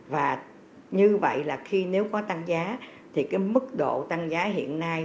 và như vậy là khi nếu có tăng giá thì cái mức độ tăng giá hiện nay